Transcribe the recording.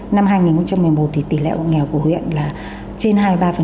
năm hai nghìn một mươi một thì tỷ lệ hộ nghèo của huyện là trên hai mươi ba